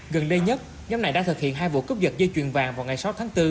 gần đây nhất nhóm này đã thực hiện hai vụ cướp giật dây chuyền vàng vào ngày sáu tháng bốn